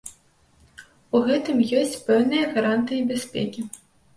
У гэтым ёсць пэўныя гарантыі бяспекі.